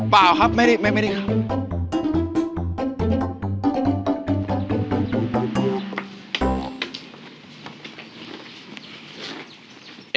เปล่าครับไม่ได้ไม่ได้ครับ